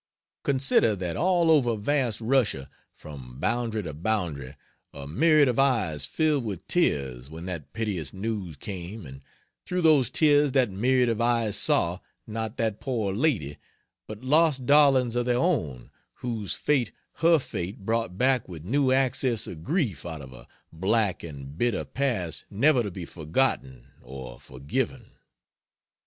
Consider, that all over vast Russia, from boundary to boundary, a myriad of eyes filled with tears when that piteous news came, and through those tears that myriad of eyes saw, not that poor lady, but lost darlings of their own whose fate her fate brought back with new access of grief out of a black and bitter past never to be forgotten or forgiven.